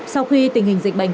sau khi tình hình dịch bệnh